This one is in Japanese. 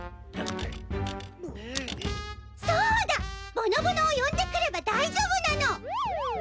ぼのぼのを呼んでくれば大丈夫なの。